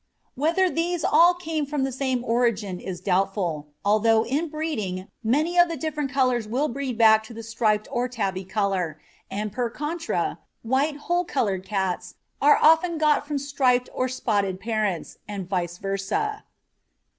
Whether these all came from the same origin is doubtful, although in breeding many of the different colours will breed back to the striped or tabby colour, and, per contra, white whole coloured cats are often got from striped or spotted parents, and vice versâ.